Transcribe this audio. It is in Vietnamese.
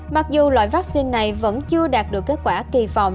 mặc dù loại vaccine này vẫn chưa đạt được kết quả kỳ vọng